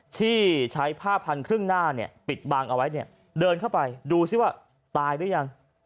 ที่ใช้ผ้าพันธุ์ครึ่งหน้าปิดบางเอาไว้เดินเข้าไปดูสิว่าตายหรือยัง